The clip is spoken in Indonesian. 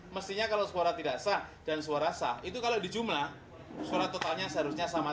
mestinya kalau suara tidak sah dan suara sah itu kalau dijumlah suara totalnya seharusnya sama